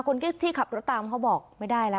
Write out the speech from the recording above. คนที่ขับรถตามเขาบอกไม่ได้แล้ว